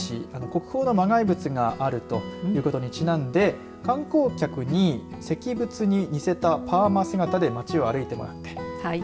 国宝の摩崖仏があるということにちなんで観光客に、石仏に似せたパーマ姿で町を歩いてもらってはい。